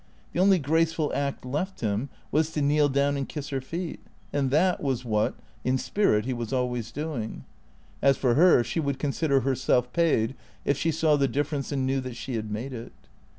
The only graceful act left him was to kneel down and kiss her feet. And that was what, in spirit, he was always doing. As for her, she would consider herself paid if she saw the difference and knew that she had made it.